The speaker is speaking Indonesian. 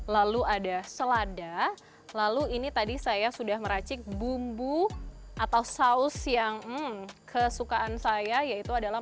lalu ada selada lalu ini tadi saya sudah meracik bumbu atau saus yang kesukaan saya yaitu adalah